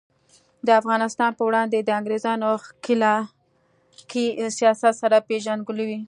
د افغانستان په وړاندې د انګریزانو ښکیلاکي سیاست سره پیژندګلوي.